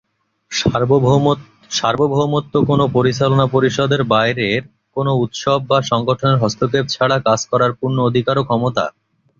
সার্বভৌমত্ব কোনো পরিচালনা পরিষদের বাইরের কোনো উৎস বা সংগঠনের হস্তক্ষেপ ছাড়া কাজ করার পূর্ণ অধিকার ও ক্ষমতা।